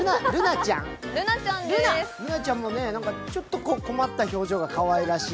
瑠奈ちゃんもちょっと困った表情がかわいらしい。